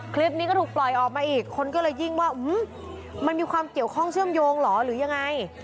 คลิปนี้ก็ถูกปล่อยออกมาอีกคนก็เลยยิ่งว่ามันมีความเกี่ยวข้องเชื่อมโยงเหรอหรือยังไง